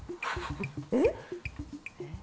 えっ？